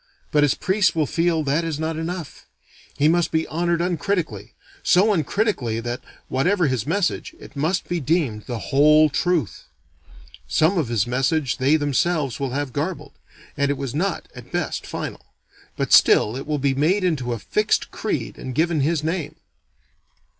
But his priests will feel that is not enough: he must be honored uncritically: so uncritically that, whatever his message, it must be deemed the Whole Truth. Some of his message they themselves will have garbled; and it was not, at best, final; but still it will be made into a fixed creed and given his name.